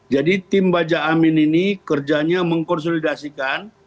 jadi tim baja amin ini kerjanya mengkonsolidasikan